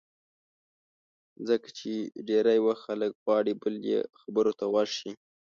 ځکه چې ډېری وخت خلک غواړي بل یې خبرو ته غوږ شي.